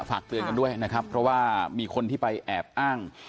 ฝากเตือนกันด้วยนะครับเพราะว่ามีคนที่ไปแอบอ้าง